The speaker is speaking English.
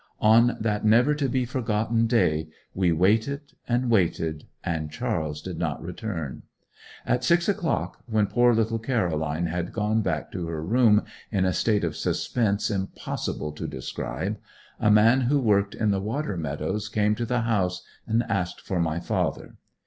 On that never to be forgotten day we waited and waited, and Charles did not return. At six o'clock, when poor little Caroline had gone back to her room in a state of suspense impossible to describe, a man who worked in the water meadows came to the house and asked for my father.